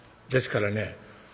ですからね